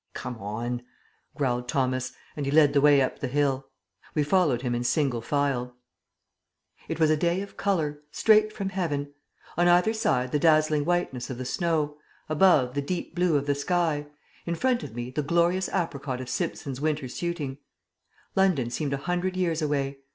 "Come on," growled Thomas, and he led the way up the hill. We followed him in single file. It was a day of colour, straight from heaven. On either side the dazzling whiteness of the snow; above, the deep blue of the sky; in front of me the glorious apricot of Simpson's winter suiting. London seemed a hundred years away.